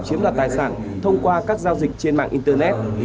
chiếm đoạt tài sản thông qua các giao dịch trên mạng internet